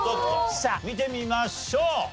見てみましょう。